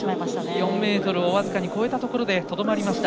４ｍを僅かに越えたところでとどまりました。